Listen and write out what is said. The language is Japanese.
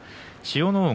千代の国。